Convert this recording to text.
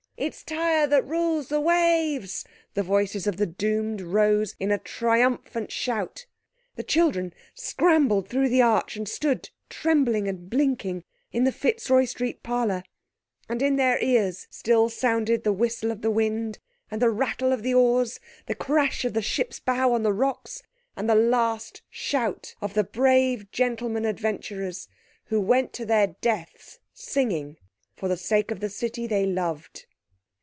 It's Tyre that rules the waves!" the voices of the doomed rose in a triumphant shout. The children scrambled through the arch, and stood trembling and blinking in the Fitzroy Street parlour, and in their ears still sounded the whistle of the wind, and the rattle of the oars, the crash of the ships bow on the rocks, and the last shout of the brave gentlemen adventurers who went to their deaths singing, for the sake of the city they loved.